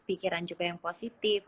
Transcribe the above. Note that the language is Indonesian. pikiran juga yang positif